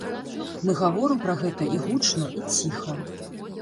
Мы гаворым пра гэта і гучна, і ціха.